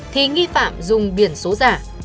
thì nghi phạm dùng biển số giả